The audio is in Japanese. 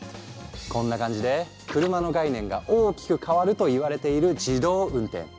こんな感じで車の概念が大きく変わるといわれている自動運転。